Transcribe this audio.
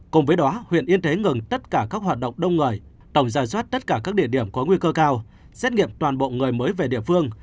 cùng với đó huyện yên thế ngừng tất cả các hoạt động đông người tổng ra soát tất cả các địa điểm có nguy cơ cao xét nghiệm toàn bộ người mới về địa phương